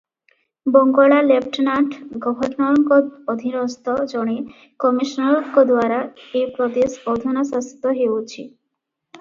ବଙ୍ଗଳା lieutenant ଗବର୍ଣ୍ଣରଙ୍କର ଅଧୀନସ୍ଥ ଜଣେ କମିଶନରଙ୍କଦ୍ୱାରା ଏ ପ୍ରଦେଶ ଅଧୁନା ଶାସିତ ହେଉଅଛି ।